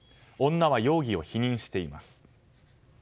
女は容疑を否認しています。